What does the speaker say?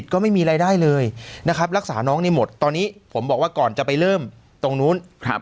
ก็ไม่มีรายได้เลยนะครับรักษาน้องนี่หมดตอนนี้ผมบอกว่าก่อนจะไปเริ่มตรงนู้น